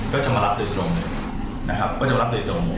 ก็จะมารับเงินตรงเลยนะครับ